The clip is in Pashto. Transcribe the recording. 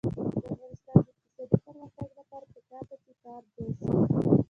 د افغانستان د اقتصادي پرمختګ لپاره پکار ده چې تار جوړ شي.